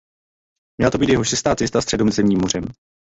Měla to být jeho šestá cesta Středozemním mořem.